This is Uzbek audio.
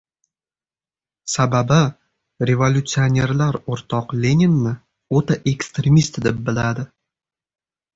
Sababi, revolyutsionerlar o‘rtoq Leninni... o‘ta ekstremist, deb biladi.